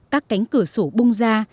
các cánh cửa sổ bung ra